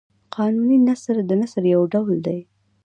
قانوني نثر د نثر یو ډول دﺉ.